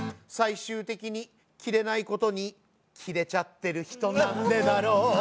「最終的に切れないことにキレちゃってる人なんでだろう」